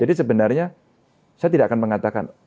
jadi sebenarnya saya tidak akan mengatakan